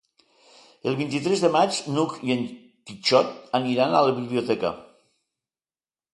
El vint-i-tres de maig n'Hug i en Quixot aniran a la biblioteca.